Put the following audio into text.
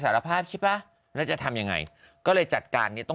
สารภาพใช่ป่ะแล้วจะทำยังไงก็เลยจัดการเนี้ยต้อง